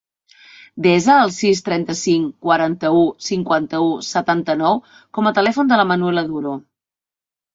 Desa el sis, trenta-cinc, quaranta-u, cinquanta-u, setanta-nou com a telèfon de la Manuela Duro.